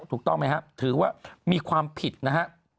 ถูกต้องไหมครับถือว่ามีความผิดนะฮะ